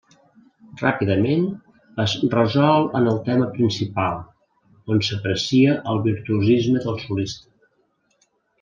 Ràpidament es resol en el tema principal, on s'aprecia el virtuosisme del solista.